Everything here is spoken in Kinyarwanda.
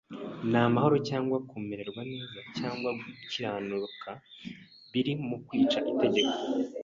Nta mahoro cyangwa kumererwa neza cyagwa gukiranuka biri mu kwica itegeko